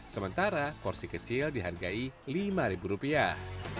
sementara porsi kecil dihargai lima rupiah